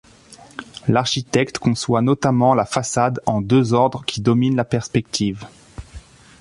L'architecte conçoit notamment la façade en deux ordres qui domine la perspective.